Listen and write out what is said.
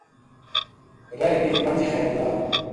رہ گئی پنج خیر نال